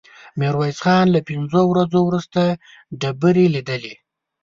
ميرويس خان له پنځو ورځو وروسته ډبرې ليدلې.